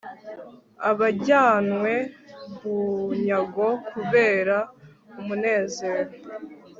abajyanywe bunyago kubera umunezero